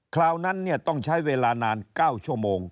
คราวนั้นต้องใช้เวลานาน๙ชั่วโมง